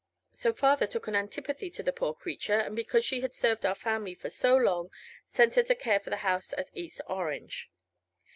So father took an antipathy to the poor creature, and because she has served our family for so long sent her to care for the house at East Orange."